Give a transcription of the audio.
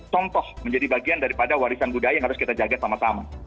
contoh menjadi bagian daripada warisan budaya yang harus kita jaga sama sama